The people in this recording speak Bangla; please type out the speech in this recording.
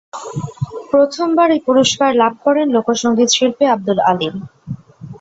প্রথমবার এই পুরস্কার লাভ করেন লোকসঙ্গীত শিল্পী আবদুল আলীম।